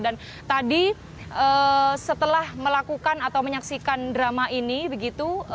dan tadi setelah melakukan atau menyaksikan drama ini begitu